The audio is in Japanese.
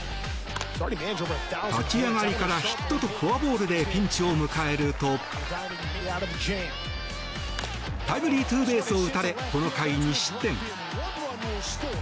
立ち上がりからヒットとフォアボールでピンチを迎えるとタイムリーツーベースを打たれこの回２失点。